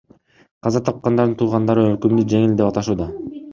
Каза тапкандардын туугандары өкүмдү жеңил деп аташууда.